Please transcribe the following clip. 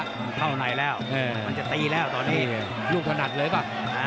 มันเข้าในแล้วมันจะตีแล้วตอนนี้ลูกถนัดเลยป่ะ